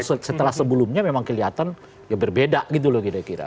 setelah sebelumnya memang kelihatan ya berbeda gitu loh kira kira